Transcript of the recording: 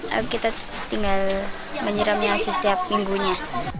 lalu kita tinggal menyiramnya setiap minggunya